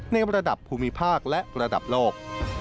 ในระดับภูมิภาคและระดับโลก